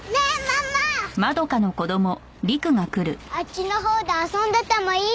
あっちのほうで遊んでてもいい？